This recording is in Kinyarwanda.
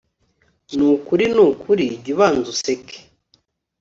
Nukuri nukuri jyubanza useke